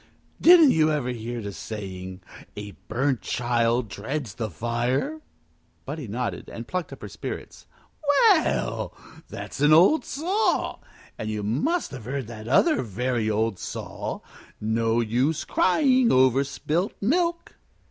"Didn't you ever hear the saying, A burnt child dreads the fire?" Buddie nodded, and plucked up her spirits. "Well, that's an old saw. And you must have heard that other very old saw, No use crying over spilt milk."